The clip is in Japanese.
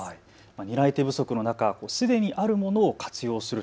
担い手不足の中、すでにあるものを活用する。